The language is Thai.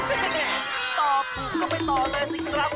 เอ้าโถยยยเฮต่อปลุกก็ไม่ต่อเลยสิครับ